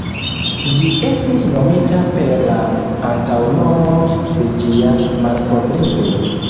Ĝi estis nomita per la antaŭnomo de ĝia malkovrinto.